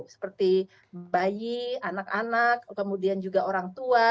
seperti bayi anak anak kemudian juga orang tua